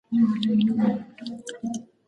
هغه د مامورانو په سترګو کې خاورې واچولې.